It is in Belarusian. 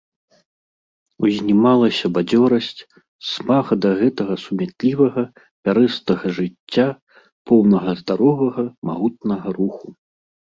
Узнімалася бадзёрасць, смага да гэтага сумятлівага, пярэстага жыцця, поўнага здаровага, магутнага руху.